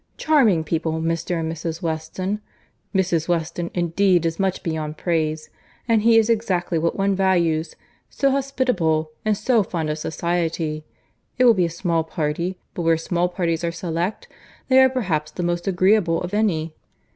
Charming people, Mr. and Mrs. Weston;—Mrs. Weston indeed is much beyond praise, and he is exactly what one values, so hospitable, and so fond of society;—it will be a small party, but where small parties are select, they are perhaps the most agreeable of any.